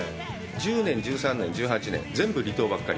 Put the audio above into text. １０年、１３年、１８年、全部離島ばっかり。